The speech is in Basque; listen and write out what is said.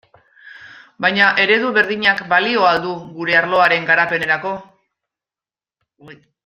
Baina eredu berdinak balio al du gure arloaren garapenerako?